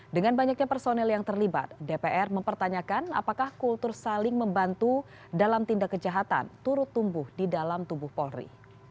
dengan banyaknya personil yang terlibat dpr mempertanyakan apakah kultur saling membantu dalam tindak kejahatan turut tumbuh di dalam tubuh polri